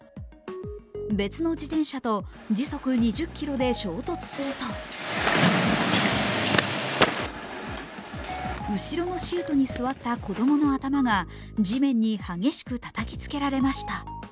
別の自転車と時速２０キロで衝突すると後ろのシートに座った子供の頭が地面に激しくたたきつけられました。